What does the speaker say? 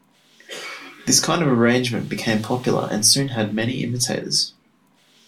This kind of arrangement became popular and soon had many imitators.